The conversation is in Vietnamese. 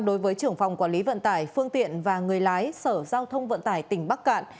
đối với trưởng phòng quản lý vận tải phương tiện và người lái sở giao thông vận tải tỉnh bắc cạn